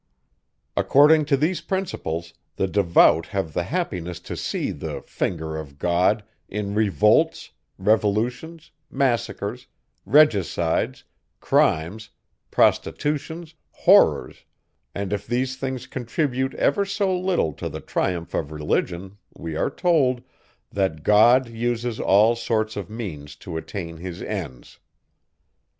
According to these principles, the devout have the happiness to see the finger of God in revolts, revolutions, massacres, regicides, crimes, prostitutions, horrors; and, if these things contribute ever so little to the triumph of religion, we are told, that "God uses all sorts of means to attain his ends."